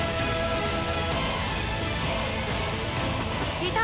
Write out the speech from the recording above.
いた！